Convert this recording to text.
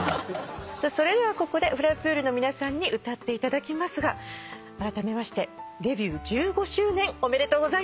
それではここでｆｌｕｍｐｏｏｌの皆さんに歌っていただきますがあらためましてデビュー１５周年おめでとうございます。